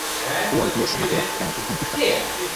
Puolitiessä mäkeä kääntyy hän yhtäkkiä.